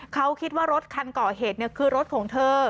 เขาคิดว่ารถคันก่อเหตุคือรถของเธอ